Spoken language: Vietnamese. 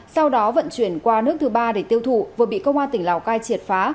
sau đó vận chuyển qua nước thứ ba để tiêu thụ vừa bị công an tỉnh lào cai triệt phá